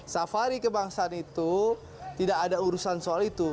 safari kebangsaan itu tidak ada urusan soal itu